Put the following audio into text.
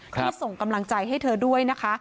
ที่ส่งกำลังใจให้เธอด้วยนะคะ